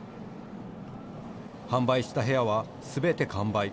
販売した部屋はすべて完売。